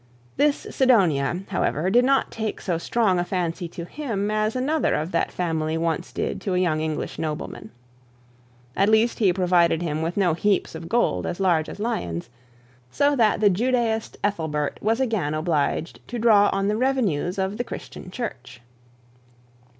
This Sidonia, however, did not take so strong a fancy to him as another of that family once did to a young English nobleman. At least he provided him with no hope of gold as large as lions; so that the Judaised Ethelbert was again obliged to draw on the revenues of the Christian Church.